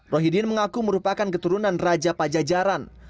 rohidin mengaku merupakan keturunan raja pajajaran